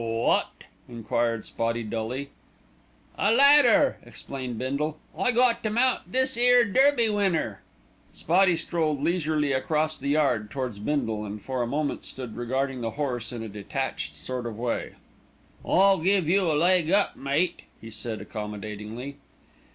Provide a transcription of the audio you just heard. "A wot?" enquired Spotty dully. "A ladder," explained Bindle. "I got to mount this 'ere Derby winner." Spotty strolled leisurely across the yard towards Bindle, and for a moment stood regarding the horse in a detached sort of way. "I'll give you a leg up, mate," he said accommodatingly.